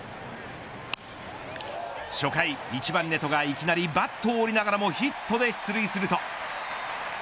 初回１番ネトがいきなりバットを折りながらもヒットで出塁すると。